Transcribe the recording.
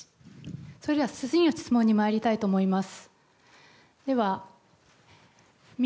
それでは次の質問に参りたいと思います。